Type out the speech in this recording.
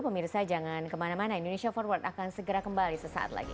pemirsa jangan kemana mana indonesia forward akan segera kembali sesaat lagi